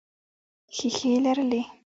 ښیښې لرلې.